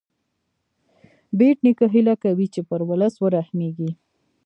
بېټ نیکه هیله کوي چې پر ولس ورحمېږې.